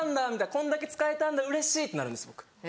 こんだけ使えたんだうれしい」ってなるんです僕。